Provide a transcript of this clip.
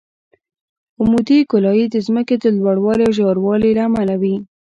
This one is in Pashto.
عمودي ګولایي د ځمکې د لوړوالي او ژوروالي له امله وي